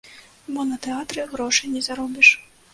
Бо на тэатры грошай не заробіш.